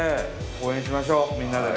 応援しましょうみんなでね。